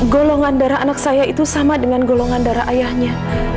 golongan darah anak saya itu sama dengan golongan darah ayahnya